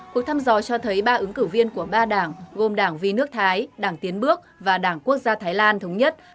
cuộc thăm dò cho thấy ba ứng cử viên của ba đảng gồm đảng vi nước thái đảng tiến bước và đảng quốc gia thái lan thống nhất